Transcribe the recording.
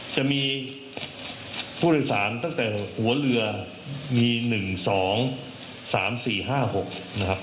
จะมีผู้โดยสารตั้งแต่หัวเรือมี๑๒๓๔๕๖นะครับ